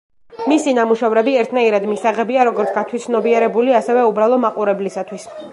მისი ნამუშევრები ერთნაირად მისაღებია, როგორც გათვითცნობიერებული ასევე უბრალო მაყურებლისათვის.